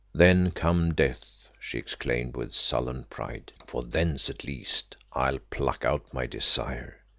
"Then come death," she exclaimed with sullen pride, "for thence at least I'll pluck out my desire."